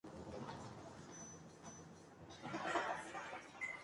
Son dos polos opuestos, dos investigadores distintos que forman un equipo genial.